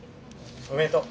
おめでとう。